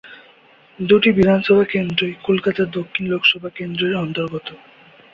দু’টি বিধানসভা কেন্দ্রই কলকাতা দক্ষিণ লোকসভা কেন্দ্রের অন্তর্গত।